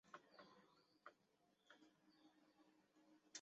笏形蕈珊瑚为蕈珊瑚科蕈珊瑚属下的一个种。